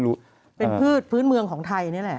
ภูคาวก็เป็นพืชเมืองของไทยนี่แหละ